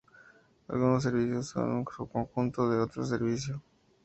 Algunos servicios son un subconjunto de otro servicio.